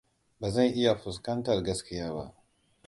Ba zan iya fuskantar gaskiya ba.